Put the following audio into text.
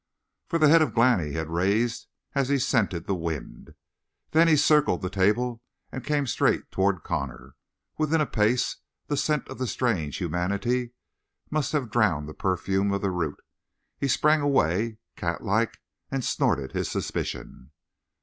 For the head of Glani had raised as he scented the wind. Then he circled the table and came straight toward Connor. Within a pace, the scent of strange humanity must have drowned the perfume of the root; he sprang away, catlike and snorted his suspicion.